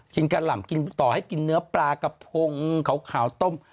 กินกะหล่ำกินกะหล่ำต่อให้กินเนื้อปลากระพงขาวต้ม